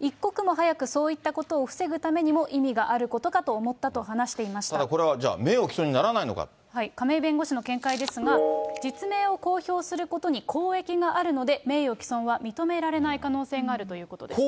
一刻も早くそういったことを防ぐためにも意味があることかと思っこれはじゃあ、名誉毀損にな亀井先生の見解ですが、実名を公表することに公益があるので、名誉毀損は認められない可能性があるということです。